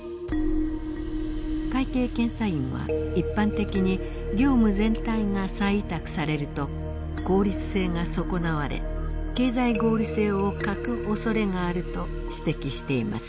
会計検査院は一般的に業務全体が再委託されると効率性が損なわれ経済合理性を欠くおそれがあると指摘しています。